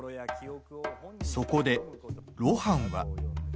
そこで、露伴は。